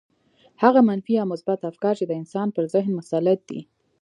هغه منفي يا مثبت افکار چې د انسان پر ذهن مسلط دي.